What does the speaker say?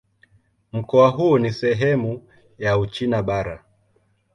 Mkoa huu ni sehemu ya Uchina Bara.